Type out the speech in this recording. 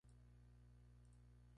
El sencillo fue solo lanzado en Europa.